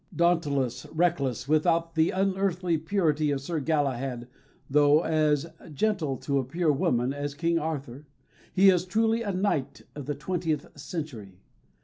Dauntless, reckless, without the unearthly purity of Sir Galahad though as gentle to a pure woman as King Arthur, he is truly a knight of the twentieth century.